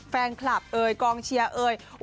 แฟนคลับเอ่ยกองเชียร์เอ่ย